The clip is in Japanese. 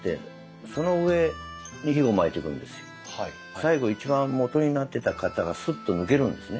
最後一番もとになってた型がスッと抜けるんですね。